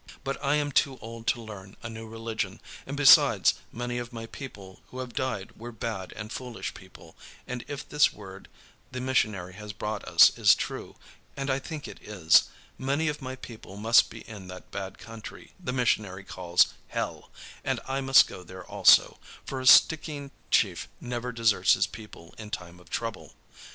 But I am too old to learn a new religion, and besides, many of my people who have died were bad and foolish people, and if this word the missionary has brought us is true, and I think it is, many of my people must be in that bad country the missionary calls 'Hell,' and I must go there also, for a Stickeen chief never deserts his people in time of trouble.